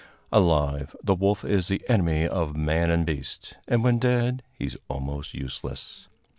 Alive, the wolf is the enemy of man and beast, and when dead he is almost useless.